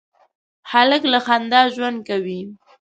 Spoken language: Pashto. هلک له خندا ژوند کوي.